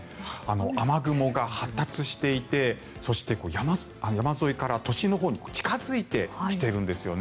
雨雲が発達していてそして、山沿いから都心のほうに近付いてきているんですよね。